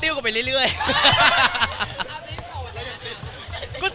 อรับงานหรือคะ